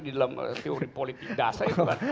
dalam teori politik dasar